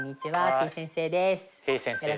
てぃ先生です。